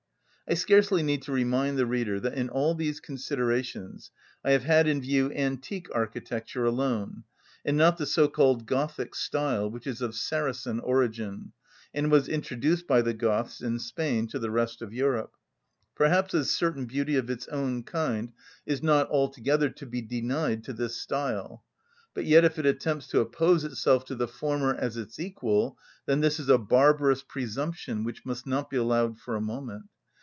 I scarcely need to remind the reader that in all these considerations I have had in view antique architecture alone, and not the so‐called Gothic style, which is of Saracen origin, and was introduced by the Goths in Spain to the rest of Europe. Perhaps a certain beauty of its own kind is not altogether to be denied to this style, but yet if it attempts to oppose itself to the former as its equal, then this is a barbarous presumption which must not be allowed for a moment.